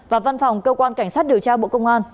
và văn phòng cơ quan cảnh sát điều tra bộ công an